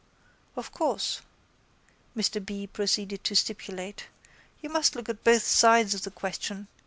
—Of course, Mr B. proceeded to stipulate, you must look at both sides of the question.